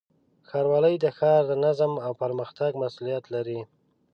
ښاروالۍ د ښار د نظم او پرمختګ مسؤلیت لري.